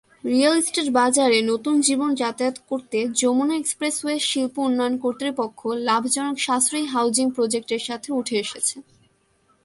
Real estate বাজারে নতুন জীবন যাতায়াত করতে, যমুনা এক্সপ্রেসওয়ে শিল্প উন্নয়ন কর্তৃপক্ষ লাভজনক সাশ্রয়ী হাউজিং প্রজেক্টের সাথে উঠে এসেছে।